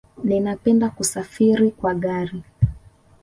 Ninapenda kusafiri kwa gari